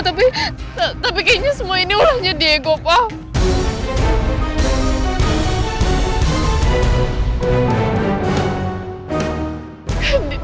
tapi kayaknya semua ini ulahnya diego pak